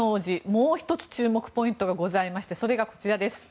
もう１つ注目ポイントがございましてそれが、こちらです。